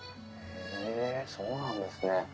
へえそうなんですね。